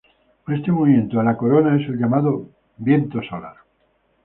Este movimiento de la corona es el llamado viento solar.